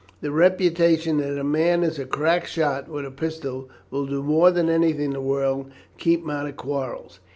The reputation that a man is a crack shot with a pistol will do more than anything in the world to keep him out of quarrels.